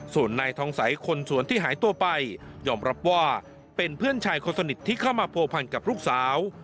ส่วนนายทองสัยคนสวนที่หายตัวไปยอมรับว่าเป็นเพื่อนชายคนสนิทที่เข้ามาผัวพันกับลูกสาว